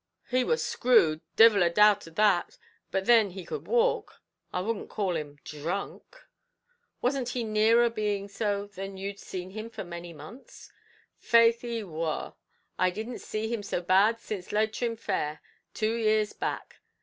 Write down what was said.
"He war screwed; divil a doubt of that; but thin, he could walk I wouldn't call him dhrunk." "Wasn't he nearer being so than you'd seen him for many months?" "Faix, he war. I didn't see him so bad since Leitrim fair, two years back."